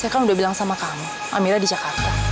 saya kan udah bilang sama kamu amera di jakarta